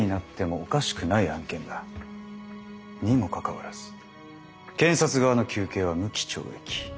にもかかわらず検察側の求刑は無期懲役。